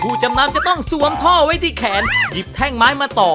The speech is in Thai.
จำนำจะต้องสวมท่อไว้ที่แขนหยิบแท่งไม้มาต่อ